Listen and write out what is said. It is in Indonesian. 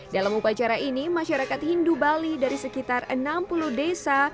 dalam upacara ini masyarakat hindu bali dari sekitar enam puluh desa